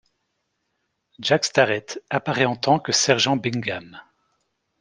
Jack Starrett apparaît en tant que Sergent Bingham.